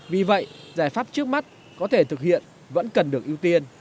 vì vậy giải pháp trước mắt có thể thực hiện vẫn cần được ưu tiên